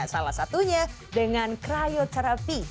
salah satunya dengan krioterapi